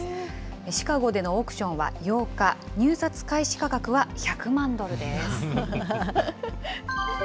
シカゴでのオークションは８日、入札開始価格は１００万ドルです。